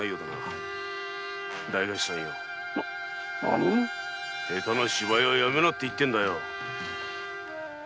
何下手な芝居はやめなって言ってんだよ